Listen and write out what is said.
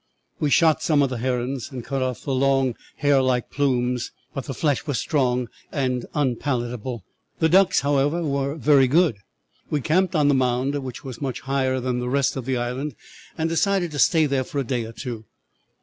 We shot some of the herons and cut off the long hair like plumes, but the flesh was strong and unpalatable. The ducks, however, were very good. "'We camped on the mound, which was much higher than the rest of the island, and decided to stay there for a day or two.